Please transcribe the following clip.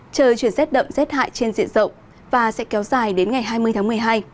trời chuyển rét đậm rét hại trên diện rộng và sẽ kéo dài đến ngày hai mươi tháng một mươi hai